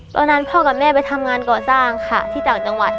ตอนนั้นพ่อกับแม่ไปทำงานก่อสร้างค่ะที่จังหวัด